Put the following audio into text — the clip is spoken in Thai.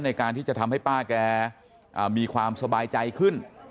ในการที่จะทำให้ป้าแกมีความสบายใจขึ้น